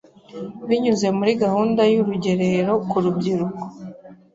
binyuze muri gahunda y’Urugerero ku rubyiruko